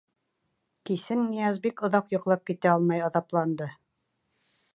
Кисен Нияз бик оҙаҡ йоҡлап китә алмай аҙапланды.